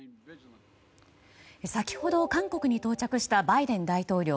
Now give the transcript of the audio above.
先ほど韓国に到着したバイデン大統領。